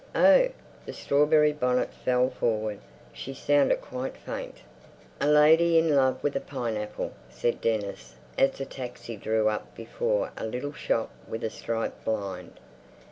"Oh!" The strawberry bonnet fell forward: she sounded quite faint. "A Lady in Love with a Pineapple," said Dennis, as the taxi drew up before a little shop with a striped blind.